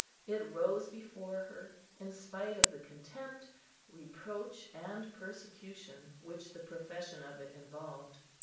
It rose before her, in spite of the contempt, reproach, and persecution which the profession of it involved.